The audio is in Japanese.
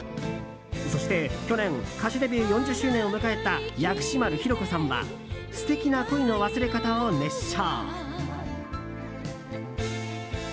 そして、去年歌手デビュー４０周年を迎えた薬師丸ひろ子さんは「ステキな恋の忘れ方」を熱唱。